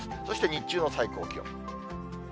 そして日中の最高気温。